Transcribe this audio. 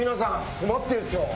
困ってんすよ。